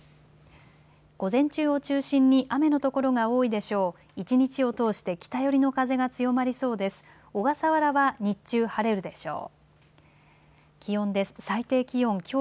午前中を中心に雨の所が多いでしょう。